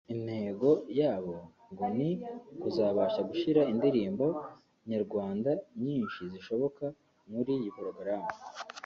Intego yabo ngo ni ukuzabasha gushyira indirimbo nyarwanda nyinshi zishoboka muri iyi porogaramu